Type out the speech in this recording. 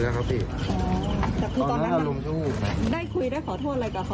ไม่ใช่แบบนี้แล้วอะไรอย่างเงี้ยตอนทำลงไปแล้วครับพี่อ๋อ